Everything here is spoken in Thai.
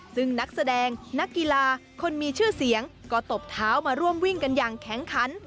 ซึ่งนักแสดงนักกีฬาคนมีชื่อเสียงก็ตบเท้ามาร่วมวิ่งกันอย่างแข็งขัน